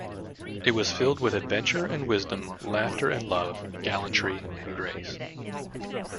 It was filled with adventure and wisdom, laughter and love, gallantry and grace.